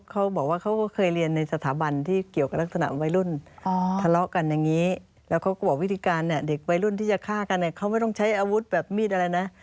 เขาก็เคยเรียนในสถาบันที่เกี่ยวกับลักษณะวัยรุ่นทะเลาะกันอย่างนี้แล้วเขาก็บอกวิธีการเนี่ยเด็กวัยรุ่นที่จะฆ่ากันเนี่ยเขาไม่ต้องใช้อาวุธแบบมีดอะไรนะ